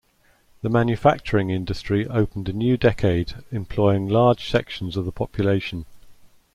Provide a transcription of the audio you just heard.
The manufacturing industry opened a new decade employing large sections of the population.